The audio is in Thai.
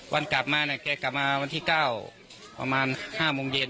วันกลับมาเนี่ยแกกลับมาวันที่๙ประมาณ๕โมงเย็น